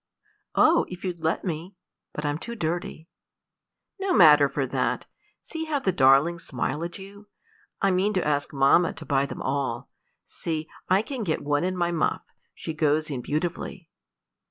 "Oh, if you'd let me! but I'm too dirty." "No matter for that. See how the darlings smile at you. I mean to ask mamma to buy them all. See, I can get one in my muff: she goes in beautifully."